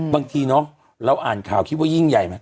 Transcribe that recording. บางทีเนาะเราอ่านข่าวคิดว่ายิ่งใหญ่ไหม